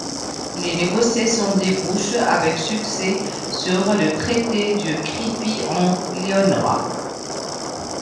Les négociations débouchent avec succès sur le traité de Crépy-en-Laonnois.